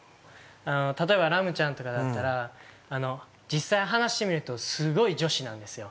例えば来夢ちゃんとかだったら実際話してみるとすごい女子なんですよ